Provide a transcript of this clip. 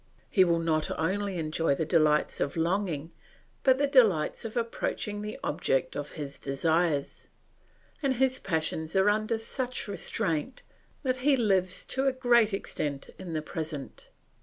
He will not only enjoy the delights of longing, but the delights of approaching the object of his desires; and his passions are under such restraint that he lives to a great extent in the present.